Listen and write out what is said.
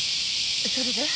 それで？